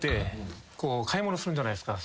買い物するじゃないですか。